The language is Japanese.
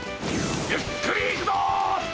ゆっくり行くぞ！